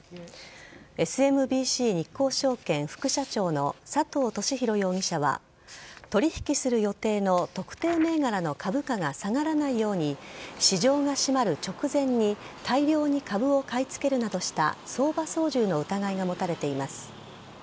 ＳＭＢＣ日興証券副社長の佐藤俊弘容疑者は取引する予定の特定銘柄の株価が下がらないように市場が閉まる直前に大量に株を買い付けるなどした相場操縦の疑いが持たれています。